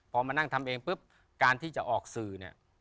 พอมานั่งทำเองปุ๊บการที่จะออกสื่อเนี่ย